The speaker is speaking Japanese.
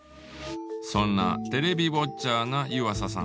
そんなテレビウォッチャーな湯浅さん。